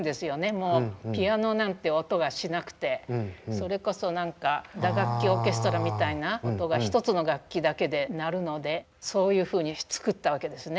もうピアノなんて音がしなくてそれこそ何か打楽器オーケストラみたいなことが１つの楽器だけでなるのでそういうふうに作ったわけですね。